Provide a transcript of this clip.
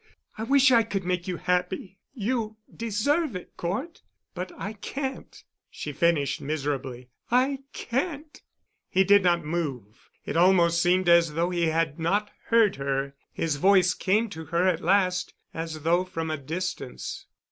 I wish I could make you happy—you deserve it, Cort. But I can't," she finished miserably, "I can't." He did not move. It almost seemed as though he had not heard her. His voice came to her at last as though from a distance.